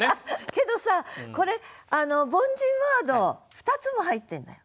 けどさこれ凡人ワード２つも入ってるんだよ。